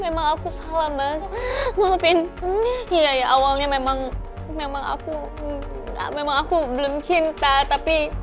memang aku salah mas maafin iya ya awalnya memang memang aku memang aku belum cinta tapi